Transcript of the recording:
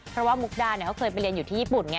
เพราะว่ามุกดาเขาเคยไปเรียนอยู่ที่ญี่ปุ่นไง